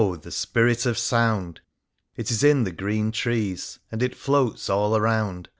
the Spirit of Sound ! It is in the green trees ŌĆö And it floats all around.